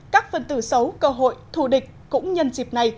các phần từ xấu cơ hội thù địch cũng nhân dịp này